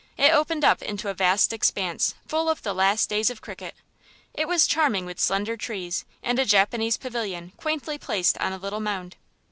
It opened up into a vast expanse full of the last days of cricket; it was charming with slender trees and a Japanese pavilion quaintly placed on a little mound.